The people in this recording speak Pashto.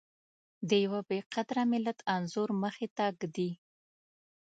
د يوه بې قدره ملت انځور مخې ته ږدي.